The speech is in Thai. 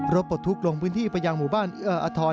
รถปลดทุกลงพื้นที่ประยางหมู่บ้านอาทร